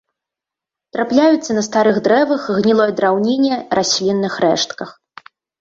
Трапляюцца на старых дрэвах, гнілой драўніне, раслінных рэштках.